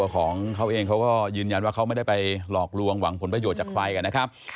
ของเขาเองเขาก็ยืนยันว่าเขาไม่ได้ไปหลอกลวงหวังผลประโยชน์จากใครกันนะครับ